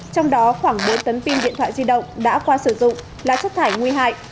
trong đó khoảng bốn tấn pin điện thoại di động đã qua sử dụng là chất thải nguy hại